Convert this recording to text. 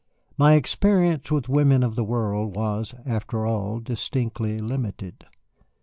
My experience with women of the world was, after all, distinctly limited.